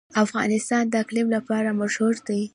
افغانستان د اقلیم لپاره مشهور دی.